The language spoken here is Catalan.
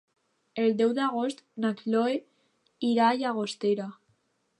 El deu d'agost na Cloè irà a Llagostera.